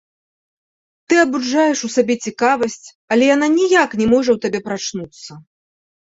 Ты абуджаеш у сабе цікавасць, але яна ніяк не можа ў табе прачнуцца.